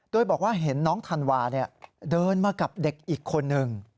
โดยบอกว่าเห็นน้องธันวาเดินมากับเด็กอีกคนนึง